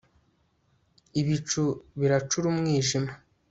ibicu biracura umwijima